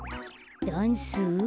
ダンス？